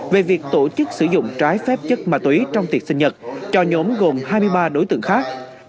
về việc tổ chức sử dụng trái phép chất ma túy trong tiệt sinh nhật cho nhóm gồm hai mươi ba đối tượng khác